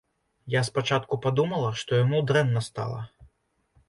Я спачатку падумала, што яму дрэнна стала.